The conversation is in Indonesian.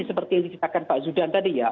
seperti yang dikatakan pak zudan tadi ya